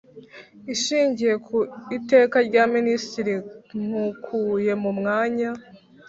Ishingiye ku Iteka rya Ministiri nkukuye mumwanya